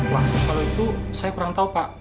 wah kalau itu saya kurang tahu pak